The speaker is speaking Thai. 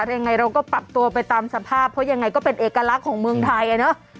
ยังไงเราก็ปรับตัวไปตามสภาพเพราะยังไงก็เป็นเอกลักษณ์ของเมืองไทยอ่ะเนอะ